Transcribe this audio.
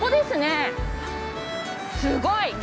すごい！